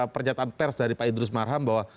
pernyataan pers dari pak idrus marham bahwa